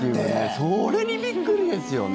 それにびっくりですよね。